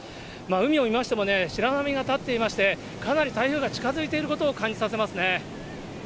海を見ましてもね、白波が立っていまして、かなり台風が近づいていることを感じさせますね。